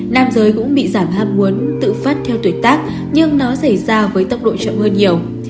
nam giới cũng bị giảm ham muốn tự phát theo tuổi tác nhưng nó xảy ra với tốc độ chậm hơn nhiều